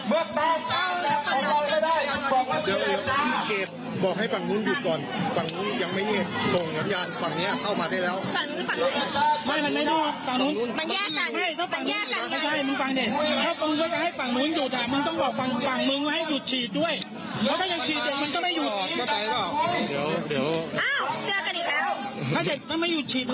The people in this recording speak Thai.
หัวให้เราขอย๕นาทีหัวไม่บางเราพาเรือนหน้า